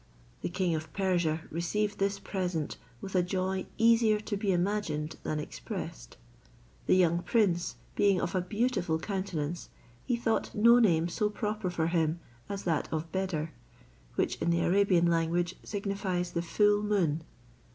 The king of Persia received this present with a joy easier to be imagined than expressed. The young prince being of a beautiful countenance, he thought no name so proper for him as that of Beder, which in the Arabian language signifies the Full Moon.